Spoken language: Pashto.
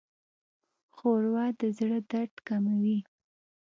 ښوروا د زړه درد کموي.